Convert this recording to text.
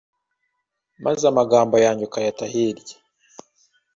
maze amagambo yanjye ukayata hirya?